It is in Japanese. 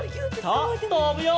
さあとぶよ！